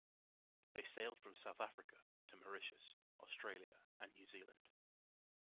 They sailed from South Africa to Mauritius, Australia and New Zealand.